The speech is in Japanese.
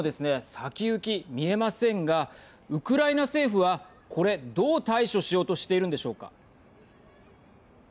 先行き、見えませんがウクライナ政府は、これどう対処しようとしているのでしょうか。